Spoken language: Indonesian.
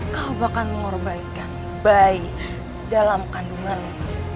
kau bahkan mengorbankan bayi dalam kandunganmu